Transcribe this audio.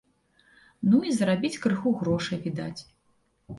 Ну, і зарабіць крыху грошай, відаць.